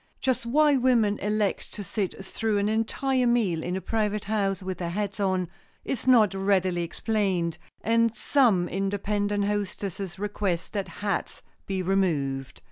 Just why women elect to sit through an entire meal in a private house with their hats on is not readily explained and some independent hostesses request that hats be removed.